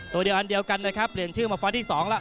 ตัวเดียวอันเดียวกันนะครับเปลี่ยนชื่อมาไฟล์ที่๒แล้ว